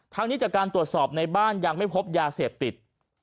นี้จากการตรวจสอบในบ้านยังไม่พบยาเสพติด